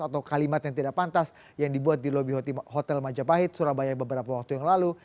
atau kalimat yang tidak pantas yang dibuat di lobi hotel majapahit surabaya beberapa waktu yang lalu